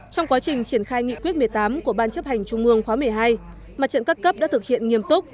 trong quá trình triển khai nghị quyết một mươi tám của ban chấp hành trung mương khóa một mươi hai mặt trận các cấp đã thực hiện nghiêm túc